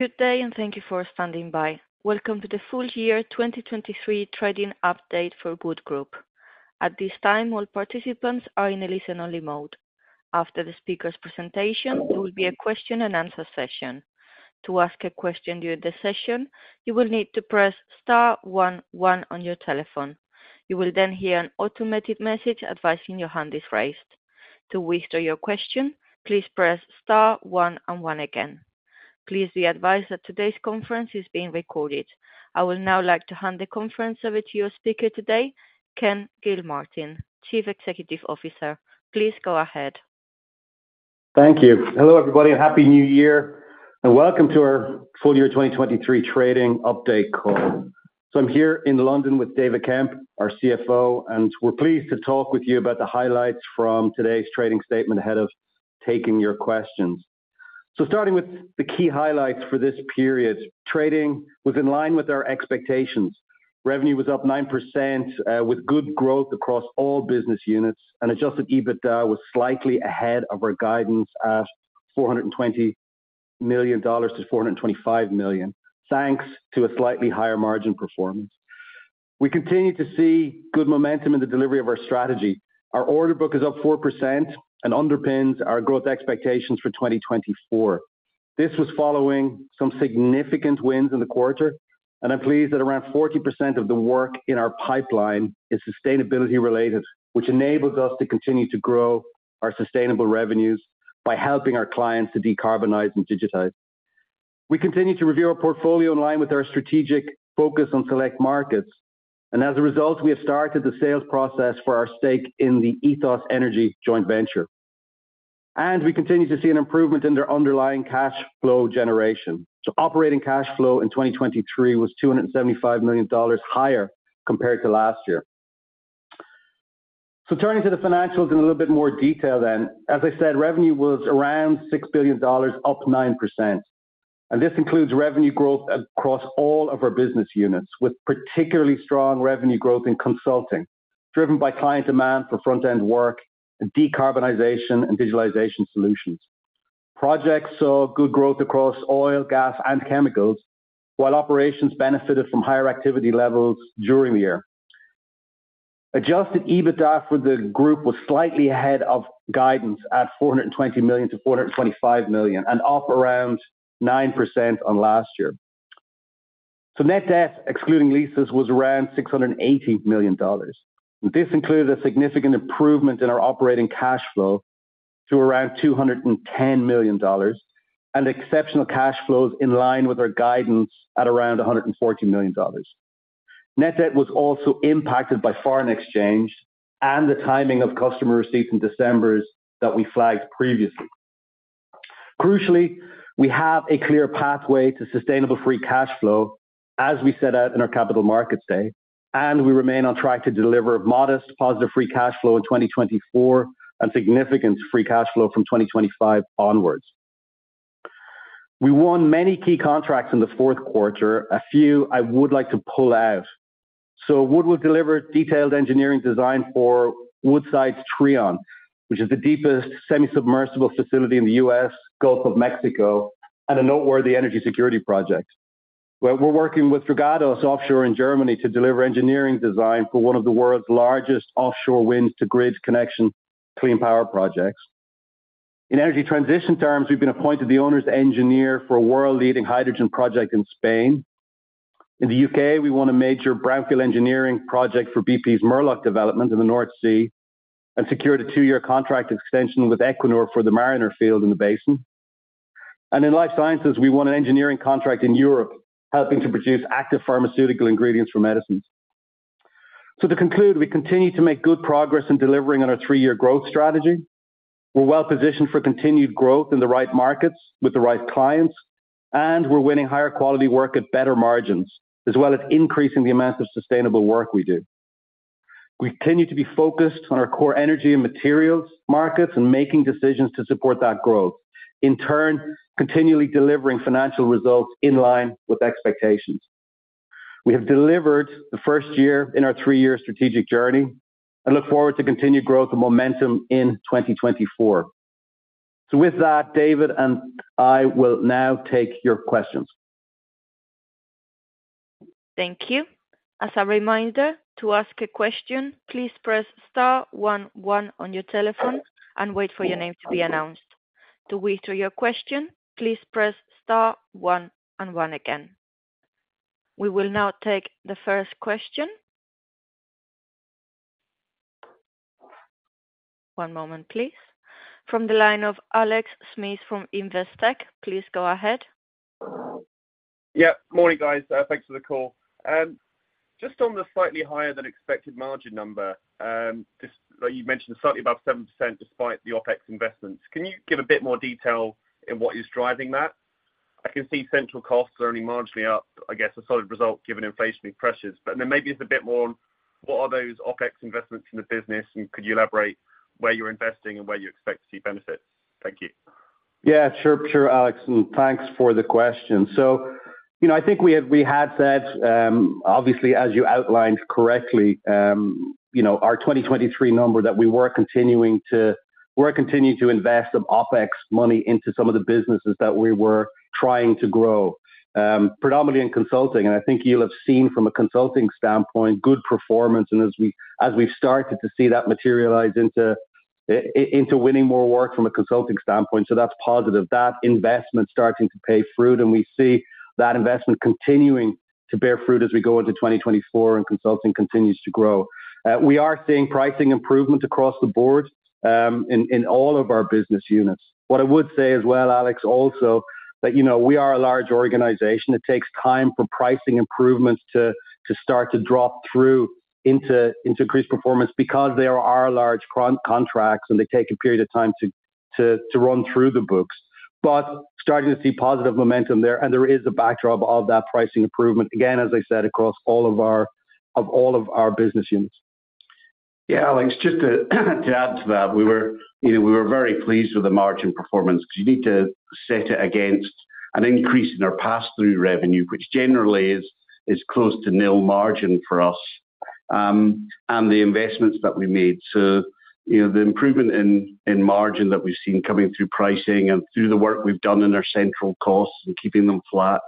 Good day, and thank you for standing by. Welcome to the full year 2023 trading update for Wood Group. At this time, all participants are in a listen-only mode. After the speaker's presentation, there will be a question and answer session. To ask a question during the session, you will need to press star one one on your telephone. You will then hear an automated message advising your hand is raised. To withdraw your question, please press star one and one again. Please be advised that today's conference is being recorded. I will now like to hand the conference over to your speaker today, Ken Gilmartin, Chief Executive Officer. Please go ahead. Thank you. Hello, everybody, and Happy New Year, and welcome to our full year 2023 trading update call. I'm here in London with David Kemp, our CFO, and we're pleased to talk with you about the highlights from today's trading statement ahead of taking your questions. Starting with the key highlights for this period, trading was in line with our expectations. Revenue was up 9%, with good growth across all business units, and Adjusted EBITDA was slightly ahead of our guidance at $420 million-$425 million, thanks to a slightly higher margin performance. We continue to see good momentum in the delivery of our strategy. Our order book is up 4% and underpins our growth expectations for 2024. This was following some significant wins in the quarter, and I'm pleased that around 40% of the work in our pipeline is sustainability-related, which enables us to continue to grow our sustainable revenues by helping our clients to decarbonize and digitize. We continue to review our portfolio in line with our strategic focus on select markets, and as a result, we have started the sales process for our stake in the EthosEnergy joint venture. And we continue to see an improvement in their underlying cash flow generation. So operating cash flow in 2023 was $275 million higher compared to last year. So turning to the financials in a little bit more detail then. As I said, revenue was around $6 billion, up 9%, and this includes revenue growth across all of our business units, with particularly strong revenue growth in Consulting, driven by client demand for front-end work and decarbonization and digitalization solutions. Projects saw good growth across oil, gas, and chemicals, while Operations benefited from higher activity levels during the year. Adjusted EBITDA for the group was slightly ahead of guidance at $420 million-$425 million, and up around 9% on last year. So net debt, excluding leases, was around $680 million. This included a significant improvement in our operating cash flow to around $210 million, and exceptional cash flows in line with our guidance at around $140 million. Net debt was also impacted by foreign exchange and the timing of customer receipts in December that we flagged previously. Crucially, we have a clear pathway to sustainable free cash flow, as we set out in our capital markets day, and we remain on track to deliver modest positive free cash flow in 2024 and significant free cash flow from 2025 onwards. We won many key contracts in the fourth quarter, a few I would like to pull out. Wood would deliver detailed engineering design for Woodside's Trion, which is the deepest semi-submersible facility in the U.S. Gulf of Mexico, and a noteworthy energy security project. We're working with Dragados Offshore in Germany to deliver engineering design for one of the world's largest offshore wind-to-grid connection clean power projects. In energy transition terms, we've been appointed the owner's engineer for a world-leading hydrogen project in Spain. In the UK, we won a major brownfield engineering project for BP's Murlach development in the North Sea and secured a two-year contract extension with Equinor for the Mariner field in the basin. In life sciences, we won an engineering contract in Europe, helping to produce active pharmaceutical ingredients for medicines. To conclude, we continue to make good progress in delivering on our three-year growth strategy. We're well positioned for continued growth in the right markets with the right clients, and we're winning higher quality work at better margins, as well as increasing the amount of sustainable work we do. We continue to be focused on our core energy and materials markets and making decisions to support that growth, in turn, continually delivering financial results in line with expectations. We have delivered the first year in our three-year strategic journey and look forward to continued growth and momentum in 2024. With that, David and I will now take your questions. Thank you. As a reminder, to ask a question, please press star one one on your telephone and wait for your name to be announced. To withdraw your question, please press star one and one again. We will now take the first question. One moment, please. From the line of Alex Smith from Investec, please go ahead. Yeah, morning, guys. Thanks for the call. Just on the slightly higher than expected margin number, just like you mentioned, slightly above 7% despite the OpEx investments, can you give a bit more detail in what is driving that? I can see central costs are only marginally up, I guess, a solid result given inflationary pressures, but then maybe it's a bit more, what are those OpEx investments in the business, and could you elaborate where you're investing and where you expect to see benefits? Thank you. Yeah, sure, sure, Alex, and thanks for the question. You know, I think we had said, obviously, as you outlined correctly, you know, our 2023 number that we were continuing to, we're continuing to invest some OpEx money into some of the businesses that we were trying to grow, predominantly in consulting. And I think you'll have seen from a consulting standpoint, good performance, and as we've started to see that materialize into into winning more work from a consulting standpoint, so that's positive. That investment starting to pay fruit, and we see that investment continuing to bear fruit as we go into 2024, and consulting continues to grow. We are seeing pricing improvements across the board, in all of our business units. What I would say as well, Alex, also, that, you know, we are a large organization. It takes time for pricing improvements to start to drop through into increased performance because there are large contracts, and they take a period of time to run through the books. But starting to see positive momentum there, and there is a backdrop of that pricing improvement, again, as I said, across all of our- of all of our business units. Yeah, Alex, just to add to that, we were, you know, very pleased with the margin performance because you need to set it against an increase in our pass-through revenue, which generally is close to nil margin for us, and the investments that we made. So, you know, the improvement in margin that we've seen coming through pricing and through the work we've done in our central costs and keeping them flat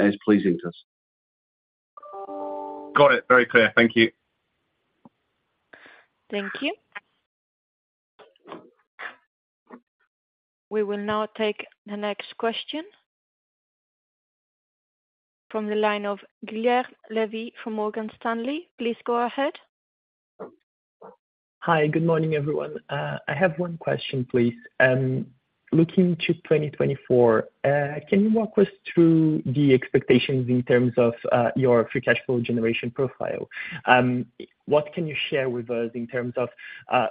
is pleasing to us. Got it. Very clear. Thank you. Thank you. We will now take the next question from the line of Guilherme Levy from Morgan Stanley. Please go ahead. Hi, good morning, everyone. I have one question, please. Looking to 2024, can you walk us through the expectations in terms of your free cash flow generation profile? What can you share with us in terms of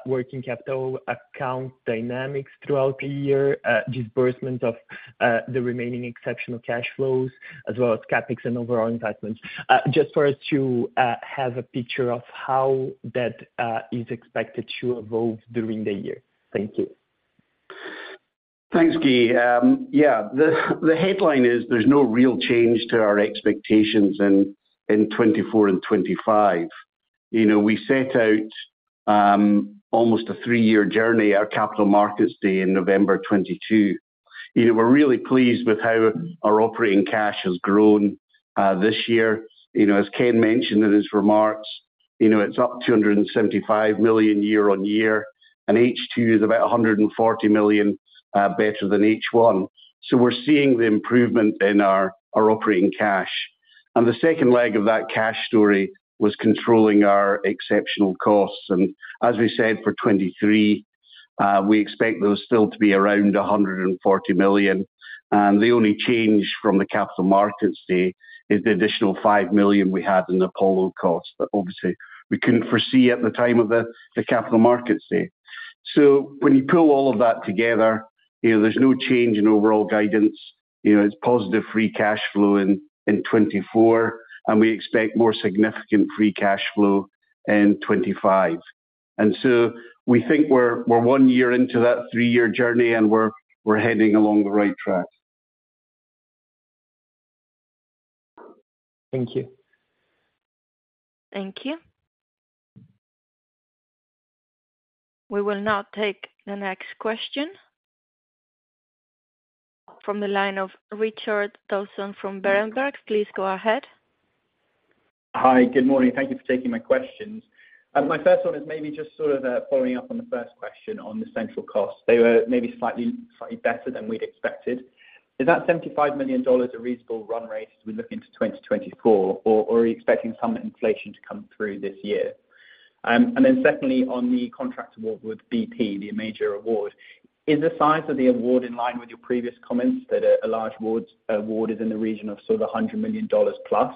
working capital account dynamics throughout the year, disbursement of the remaining exceptional cash flows, as well as CapEx and overall investments? Just for us to have a picture of how that is expected to evolve during the year. Thank you. Thanks, Guilherme. Yeah, the headline is there's no real change to our expectations in 2024 and 2025. You know, we set out almost a three-year journey, our Capital Markets Day in November 2022. You know, we're really pleased with how our operating cash has grown this year. You know, as Ken mentioned in his remarks, you know, it's up $275 million year-on-year, and H2 is about $140 million better than H1. So we're seeing the improvement in our operating cash. And the second leg of that cash story was controlling our exceptional costs. As we said, for 2023, we expect those still to be around $140 million, and the only change from the Capital Markets Day is the additional $5 million we had in Apollo costs that obviously we couldn't foresee at the time of the Capital Markets Day. So when you pull all of that together, you know, there's no change in overall guidance. You know, it's positive free cash flow in 2024, and we expect more significant free cash flow in 2025. And so we think we're one year into that 3-year journey, and we're heading along the right track. Thank you. Thank you. We will now take the next question from the line of Richard Dawson from Berenberg. Please go ahead. Hi, good morning. Thank you for taking my questions. My first one is maybe just sort of, following up on the first question on the central cost. They were maybe slightly, slightly better than we'd expected. Is that $75 million a reasonable run rate as we look into 2024, or are you expecting some inflation to come through this year? And then secondly, on the contract award with BP, the major award, is the size of the award in line with your previous comments that a large award is in the region of sort of $100 million+?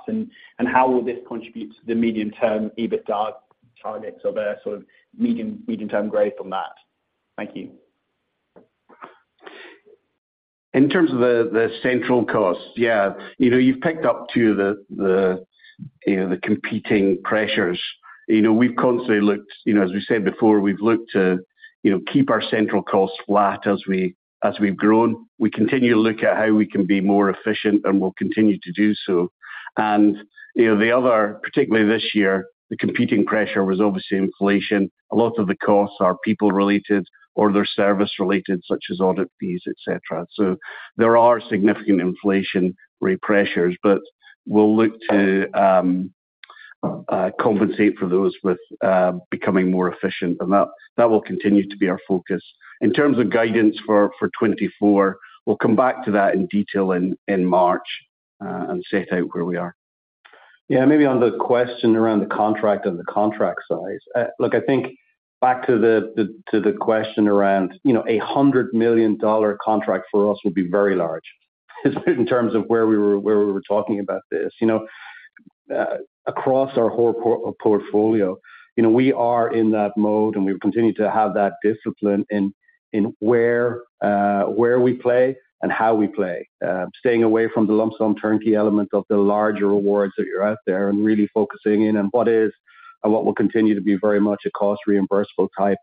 And how will this contribute to the medium-term EBITDA targets or the sort of medium, medium-term growth on that? Thank you. In terms of the central costs, yeah. You know, you've picked up to the, you know, the competing pressures. You know, we've constantly looked. You know, as we said before, we've looked to, you know, keep our central costs flat as we, as we've grown. We continue to look at how we can be more efficient, and we'll continue to do so. And, you know, the other, particularly this year, the competing pressure was obviously inflation. A lot of the costs are people related or they're service related, such as audit fees, et cetera. So there are significant inflationary pressures, but we'll look to compensate for those with becoming more efficient, and that will continue to be our focus. In terms of guidance for 2024, we'll come back to that in detail in March and set out where we are. Yeah, maybe on the question around the contract and the contract size. Look, I think back to the question around, you know, a $100 million contract for us would be very large, in terms of where we were talking about this. You know, across our whole portfolio, you know, we are in that mode, and we've continued to have that discipline in where we play and how we play. Staying away from the lump sum turnkey element of the larger awards that are out there and really focusing in on what is and what will continue to be very much a cost-reimbursable type-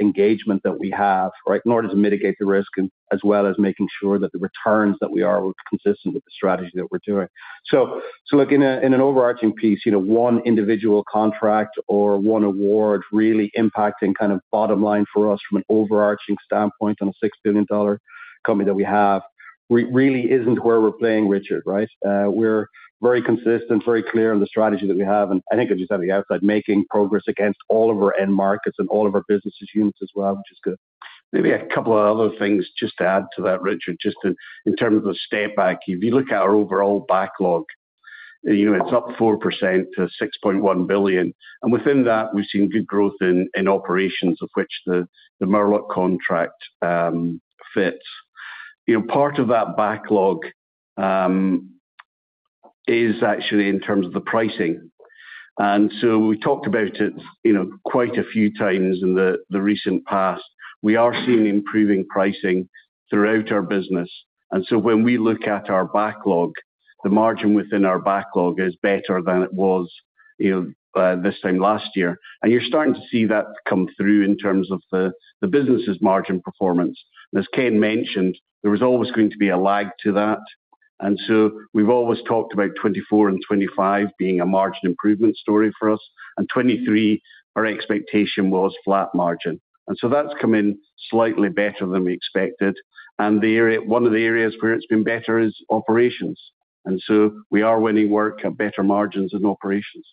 engagement that we have, right? In order to mitigate the risk, and as well as making sure that the returns that we are, were consistent with the strategy that we're doing. So, look, in an overarching piece, you know, one individual contract or one award really impacting kind of bottom line for us from an overarching standpoint on a $6 billion company that we have, really isn't where we're playing, Richard, right? We're very consistent, very clear on the strategy that we have, and I think as you said outside, making progress against all of our end markets and all of our business units as well, which is good. Maybe a couple of other things just to add to that, Richard, just in terms of a step back. If you look at our overall backlog, you know, it's up 4% to $6.1 billion, and within that, we've seen good growth in Operations, of which the Murlach contract fits. You know, part of that backlog is actually in terms of the pricing. And so we talked about it, you know, quite a few times in the recent past. We are seeing improving pricing throughout our business, and so when we look at our backlog, the margin within our backlog is better than it was, you know, this time last year. And you're starting to see that come through in terms of the business's margin performance. As Ken mentioned, there was always going to be a lag to that, and so we've always talked about 2024 and 2025 being a margin improvement story for us, and 2023, our expectation was flat margin. So that's come in slightly better than we expected, and the area, one of the areas where it's been better is operations, and so we are winning work at better margins in operations.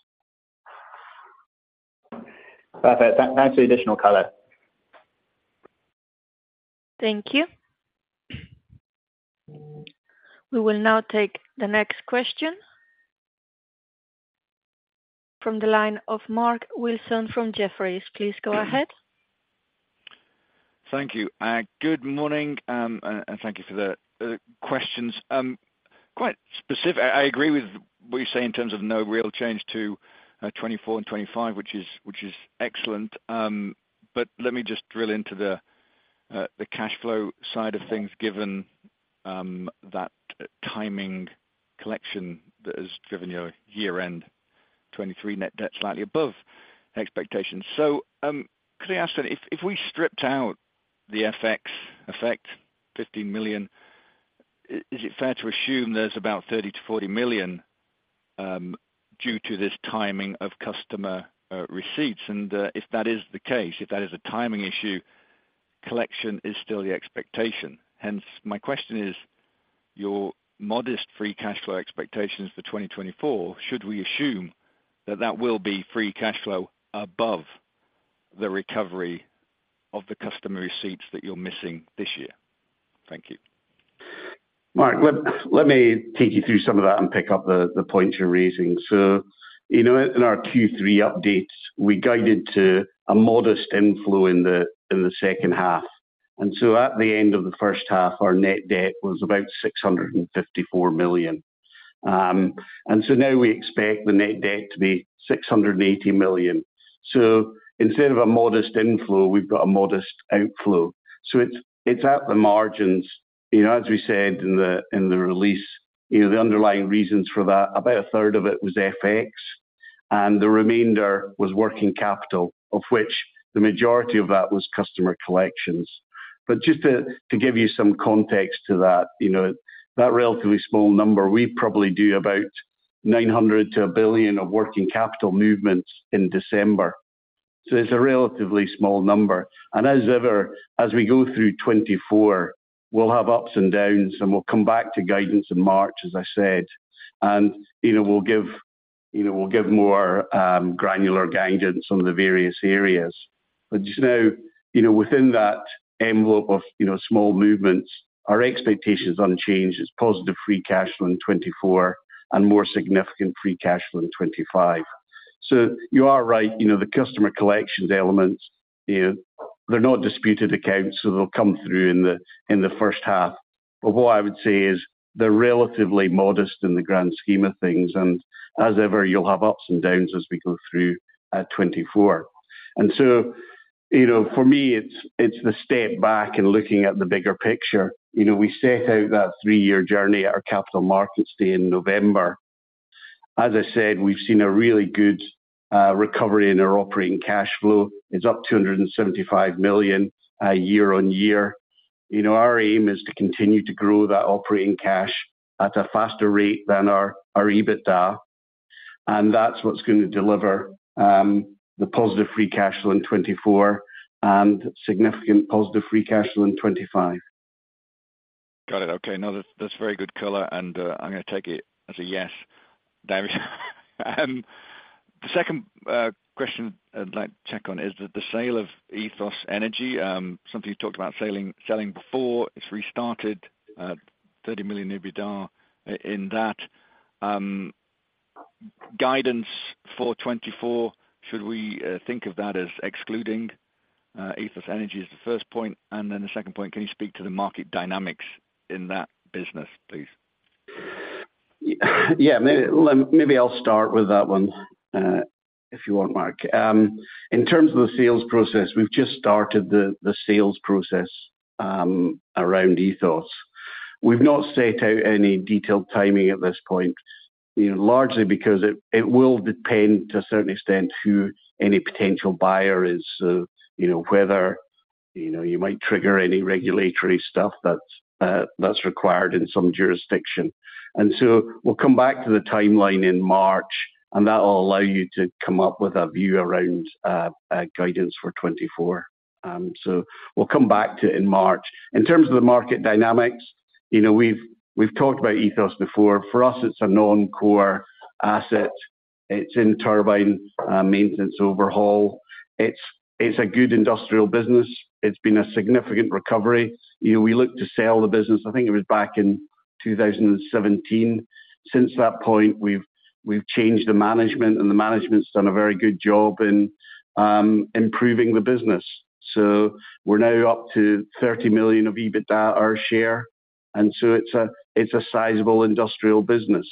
Perfect. Thanks for the additional color. Thank you. We will now take the next question from the line of Mark Wilson from Jefferies. Please go ahead. Thank you, good morning, and thank you for the questions. Quite specific, I agree with what you say in terms of no real change to 2024 and 2025, which is excellent. But let me just drill into the cash flow side of things, given that timing collection that has driven your year-end 2023 net debt slightly above expectations. So, could I ask then, if we stripped out the FX effect, $50 million, is it fair to assume there's about $30 million-$40 million due to this timing of customer receipts? And, if that is the case, if that is a timing issue, collection is still the expectation. Hence, my question is, your modest free cash flow expectations for 2024, should we assume that that will be free cash flow above the recovery of the customer receipts that you're missing this year? Thank you. Mark, let, let me take you through some of that and pick up the, the points you're raising. So, you know, in our Q3 updates, we guided to a modest inflow in the, in the second half, and so at the end of the first half, our net debt was about $654 million. And so now we expect the net debt to be $680 million. So instead of a modest inflow, we've got a modest outflow, so it's, it's at the margins. You know, as we said in the, in the release, you know, the underlying reasons for that, about a third of it was FX, and the remainder was working capital, of which the majority of that was customer collections. But just to give you some context to that, you know, that relatively small number, we probably do about $900-$1 billion of working capital movements in December. So it's a relatively small number. And as ever, as we go through 2024, we'll have ups and downs, and we'll come back to guidance in March, as I said. And, you know, we'll give, you know, we'll give more granular guidance on the various areas. But just now, you know, within that envelope of, you know, small movements, our expectations unchanged. It's positive free cash flow in 2024 and more significant free cash flow in 2025. So you are right, you know, the customer collections elements, you know, they're not disputed accounts, so they'll come through in the, in the first half. But what I would say is, they're relatively modest in the grand scheme of things, and as ever, you'll have ups and downs as we go through 2024. So, you know, for me, it's the step back and looking at the bigger picture. You know, we set out that three-year journey at our Capital Markets Day in November. As I said, we've seen a really good recovery in our operating cash flow. It's up $275 million year-over-year. You know, our aim is to continue to grow that operating cash at a faster rate than our EBITDA, and that's what's going to deliver the positive free cash flow in 2024 and significant positive free cash flow in 2025. Got it. Okay. No, that, that's very good color, and, I'm gonna take it as a yes, David. The second question I'd like to check on is the sale of EthosEnergy, something you talked about selling, selling before. It's restarted $30 million EBITDA in that. Guidance for 2024, should we think of that as excluding EthosEnergy as the first point? And then the second point, can you speak to the market dynamics in that business, please? Yeah, maybe, let me, maybe I'll start with that one, if you want, Mark. In terms of the sales process, we've just started the sales process around Ethos. We've not set out any detailed timing at this point. You know, largely because it will depend, to a certain extent, who any potential buyer is, you know, whether you might trigger any regulatory stuff that's required in some jurisdiction. And so we'll come back to the timeline in March, and that will allow you to come up with a view around guidance for 2024. So we'll come back to it in March. In terms of the market dynamics, you know, we've talked about Ethos before. For us, it's a non-core asset. It's in turbine maintenance overhaul. It's a good industrial business. It's been a significant recovery. You know, we looked to sell the business, I think it was back in 2017. Since that point, we've changed the management, and the management's done a very good job in improving the business. So we're now up to $30 million of EBITDA, our share, and so it's a sizable industrial business.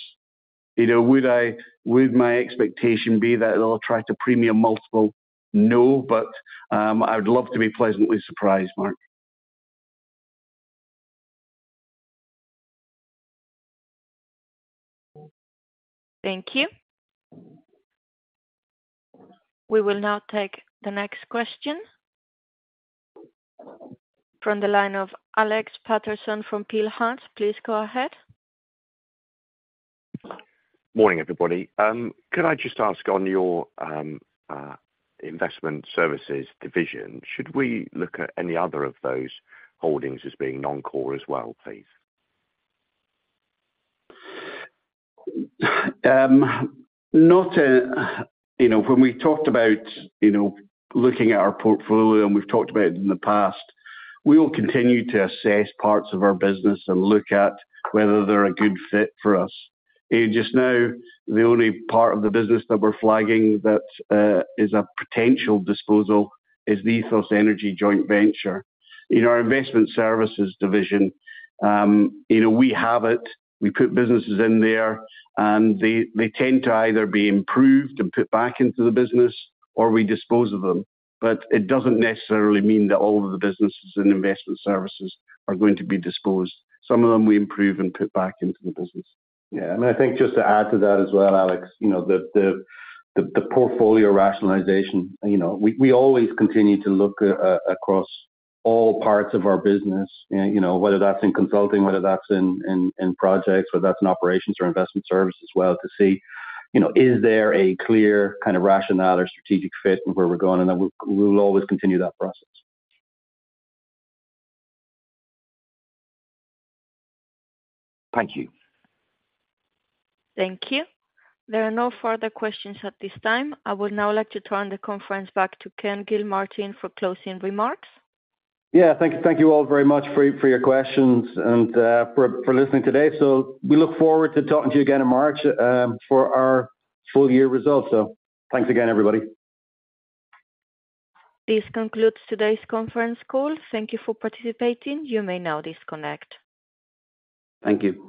You know, would my expectation be that it'll attract a premium multiple? No, but I would love to be pleasantly surprised, Mark. Thank you. We will now take the next question from the line of Alex Paterson from Peel Hunt. Please go ahead. Morning, everybody. Could I just ask, on your Investment Services division, should we look at any other of those holdings as being non-core as well, please? You know, when we talked about, you know, looking at our portfolio, and we've talked about it in the past, we will continue to assess parts of our business and look at whether they're a good fit for us. And just now, the only part of the business that we're flagging that is a potential disposal is the EthosEnergy joint venture. In our Investment Services division, you know, we have it, we put businesses in there, and they, they tend to either be improved and put back into the business or we dispose of them. But it doesn't necessarily mean that all of the businesses and Investment Services are going to be disposed. Some of them we improve and put back into the business. Yeah, and I think just to add to that as well, Alex, you know, the portfolio rationalization, you know, we always continue to look across all parts of our business, and, you know, whether that's in consulting, whether that's in projects, whether that's in operations or Investment Services as well, to see, you know, is there a clear kind of rationale or strategic fit with where we're going? And then we will always continue that process. Thank you. Thank you. There are no further questions at this time. I would now like to turn the conference back to Ken Gilmartin for closing remarks. Yeah. Thank you, thank you all very much for your questions and for listening today. So we look forward to talking to you again in March for our full year results. So thanks again, everybody. This concludes today's conference call. Thank you for participating. You may now disconnect. Thank you.